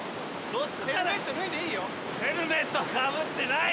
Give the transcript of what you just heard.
ヘルメットかぶってない。